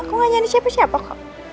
aku gak nyanyi siapa siapa kok